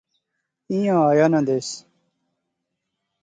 ایہھاں آیا ناں دیس